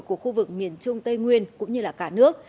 của khu vực miền trung tây nguyên cũng như cả nước